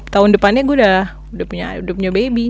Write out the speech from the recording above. tahun depannya gue udah punya hidupnya baby